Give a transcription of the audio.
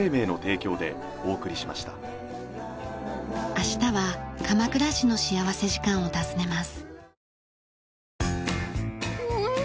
明日は鎌倉市の幸福時間を訪ねます。